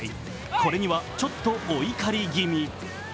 これにはちょっとお怒り気味。